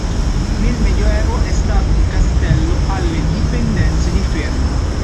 Nel medioevo è stato un castello alle dipendenze di Fermo.